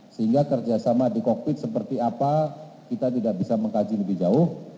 sehingga kerjasama di kokpit seperti apa kita tidak bisa mengkaji lebih jauh